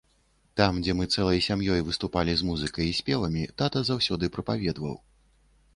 Там, дзе мы цэлай сям'ёй выступалі з музыкай і спевамі, тата заўсёды прапаведаваў.